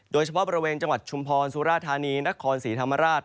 โดยเฉพาะบริเวณจังหวัดชุมพรสุราธานีนครศรีธรรมราช